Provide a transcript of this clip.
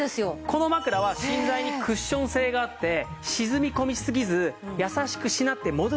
この枕は芯材にクッション性があって沈み込みすぎず優しくしなって戻る力